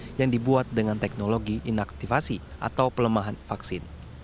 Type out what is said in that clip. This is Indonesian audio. vaksin yang dibuat dengan teknologi inaktivasi atau pelemahan vaksin